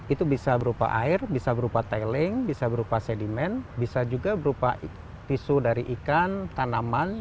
itu bisa berupa air bisa berupa tiling bisa berupa sedimen bisa juga berupa tisu dari ikan tanaman